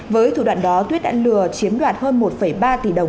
với thủ đoạn đó tuyết đã lừa chiếm đoạt hơn một ba tỷ đồng